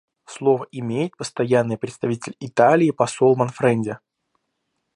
Слово имеет Постоянный представитель Италии посол Манфреди.